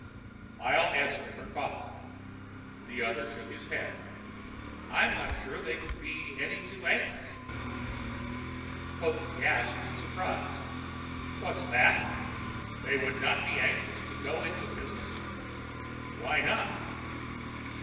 I'll answer for Kaufmann." The other shook his head. "I'm not sure they would be any too anxious." Houghton gasped in surprise. "What's that—they wouldn't be anxious to go into business! Why not?"